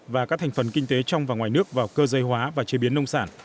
và các thành phần kinh tế trong và ngoài nước vào cơ giới hóa và chế biến nông sản